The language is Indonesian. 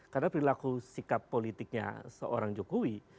karena perilaku sikap politiknya seorang jokowi